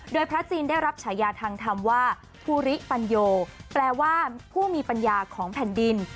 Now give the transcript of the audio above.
โดยพระจีนได้รับฉายาทางธรรมว่าภูริปัญโยแปลว่าผู้มีปัญญาของแผ่นดิน